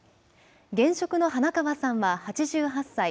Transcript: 現職の花川さんは８８歳。